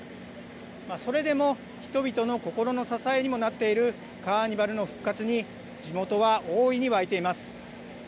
それでも人々の心の支えにもなっているカーニバルの復活に、地元は大いに沸いています。